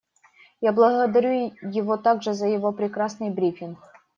Я благодарю его также за его прекрасный брифинг.